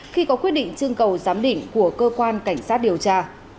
khi có quyết định trưng cầu giám định của cơ quan cảnh sát điều tra